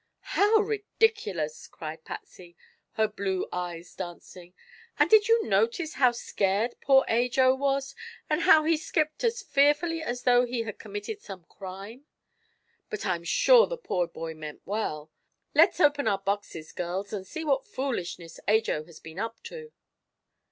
"How ridiculous!" cried Patsy, her blue eyes dancing. "And did you notice how scared poor Ajo was, and how he skipped as fearfully as though he had committed some crime? But I'm sure the poor boy meant well. Let's open our boxes, girls, and see what foolishness Ajo has been up to."